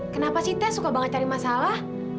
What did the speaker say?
kenapa sih teh suka banget cari masalah